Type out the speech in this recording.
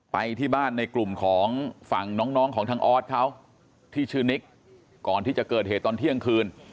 ไปที่บ้านในกลุ่มของฝั่งน้องของทางออสเขาที่ชื่อนิกก่อนที่จะเกิดเหตุตอนเที่ยงคืน